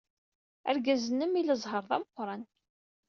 Argaz-nnem ila zzheṛ d ameqran.